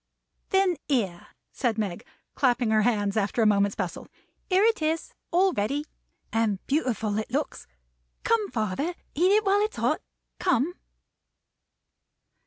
"Then here," said Meg, clapping her hands, after a moment's bustle; "here it is, all ready! And beautiful it looks! Come, father. Eat it while it's hot. Come!"